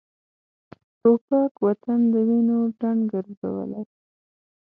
توپک وطن د وینو ډنډ ګرځولی.